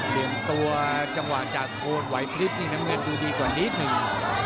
เตรียมตัวจังหวังจากโค้ดไหวพริบนี่นะเมื่อดูดีกว่านิดหนึ่ง